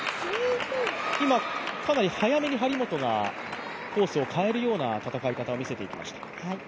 今、かなり早めに張本がコースを変えるような戦い方を見せていました。